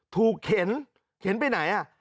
เข็นเข็นไปไหน